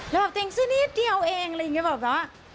แล้วแบบตัวเองซะนิดเดียวเองอะไรอย่างนี้แบบว่า